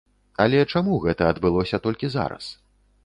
Але чаму гэта адбылося толькі зараз?